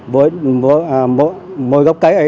với mỗi gốc cây ấy